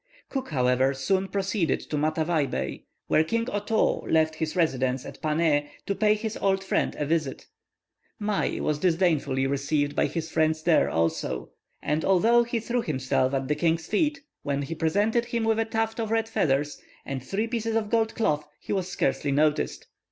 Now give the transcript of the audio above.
Cook, however, soon proceeded to Matavai Bay, where King Otoo left his residence at Pané, to pay his old friend a visit. Mai was disdainfully received by his friends there also, and although he threw himself at the king's feet, when he presented him with a tuft of red feathers, and three pieces of gold cloth, he was scarcely noticed.